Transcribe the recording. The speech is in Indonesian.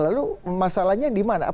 lalu masalahnya dimana